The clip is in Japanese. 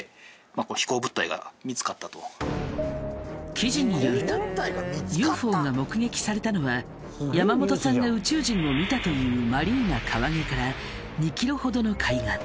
記事によるとＵＦＯが目撃されたのは山本さんが宇宙人を見たというマリーナ河芸から２ｋｍほどの海岸。